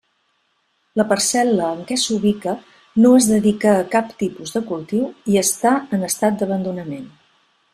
La parcel·la en què s'ubica no es dedica a cap tipus de cultiu i està en estat d'abandonament.